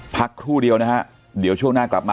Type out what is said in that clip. พักครู่เดียวนะฮะเดี๋ยวช่วงหน้ากลับมา